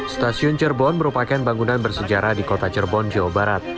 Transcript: stasiun cirebon merupakan bangunan bersejarah di kota cirebon jawa barat